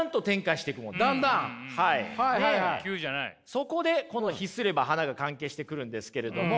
そこでこの「秘すれば花」が関係してくるんですけれども。